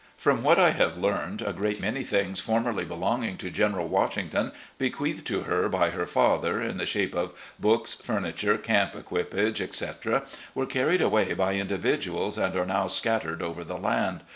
From what I have learned, a great many things formerly belong ing to General Washington, bequeathed to her by her father, in the shape of books, furniture, camp equipage, etc., were carried away by individuals and are now scat tered over the land.